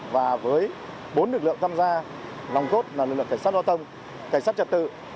và với bốn lực lượng tham gia lòng cốt là lực lượng cảnh sát giao thông cảnh sát trật tự